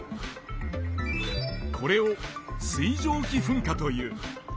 これを「水蒸気噴火」という。